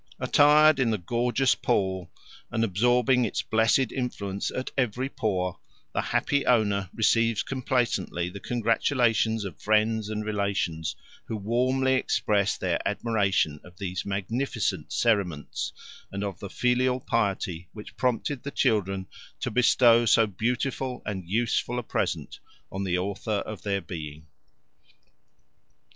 Attired in the gorgeous pall, and absorbing its blessed influence at every pore, the happy owner receives complacently the congratulations of friends and relations, who warmly express their admiration of these magnificent cerements, and of the filial piety which prompted the children to bestow so beautiful and useful a present on the author of their being.